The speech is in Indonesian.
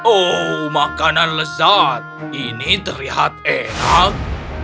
oh makanan lezat ini terlihat enak